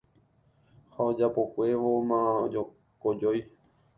ha ojapokuévoma kojói